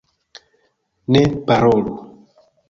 Ne parolu!